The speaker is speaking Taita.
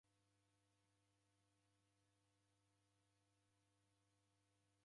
Nadaobua kushoma viteto va mbari zima.